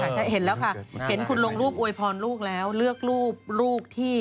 ใช่เห็นแล้วค่ะเห็นคุณลงรูปอวยพรลูกแล้วเลือกรูปลูกที่